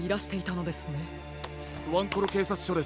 ワンコロけいさつしょです。